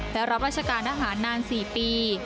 และรับราชการทหารนาน๔ปี